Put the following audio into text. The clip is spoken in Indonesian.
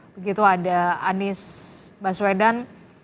begitu ada anies baswedan